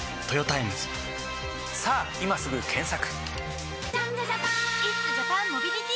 さぁ今すぐ検索！